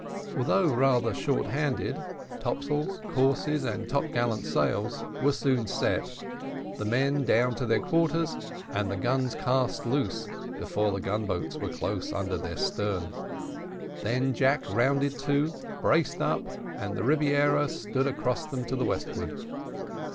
Although rather short handed, topsails, courses, and top gallant sails were soon set, the men down to their quarters, and the guns cast loose, before the gun boats were close under their stern. Then Jack rounded to, braced up, and the Rebiera stood across them to the westward.